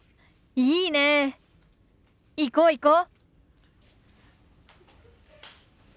いいねえ行こう行こう。